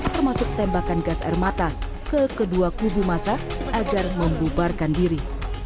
termasuk tembakan gas air mata ke kedua kubu masa agar membubarkan diri